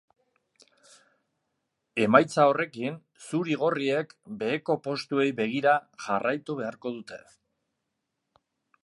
Emaitza horrekin, zuri-gorriek beheko postuei begira jarraitu beharko dute.